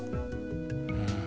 うん。